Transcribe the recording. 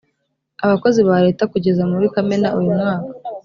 abakozi ba leta kugeza muri kamena uyu mwaka